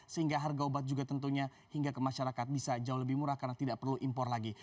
sehingga harga obat juga tentunya hingga ke masyarakat bisa jauh lebih murah karena tidak perlu impor lagi